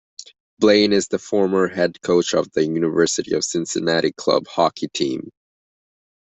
Blaine is the former head coach of the University of Cincinnati club hockey team.